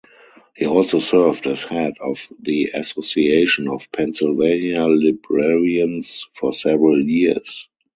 He also served as head of the Association of Pennsylvania Librarians for several years.